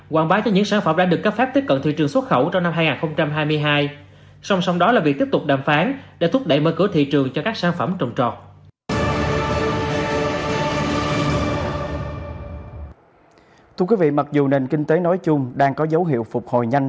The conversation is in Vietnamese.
hoàn bá cho những sản phẩm đã được cấp phép tiếp cận thị trường xuất khẩu trong năm hai nghìn hai mươi hai